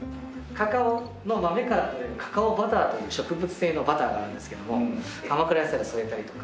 カカオの豆からとれるカカオバターという植物性のバターがあるんですけども鎌倉野菜を添えたりとか。